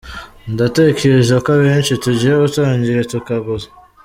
Ndatekereza ko abenshi tugiye gutangira tukaguza”.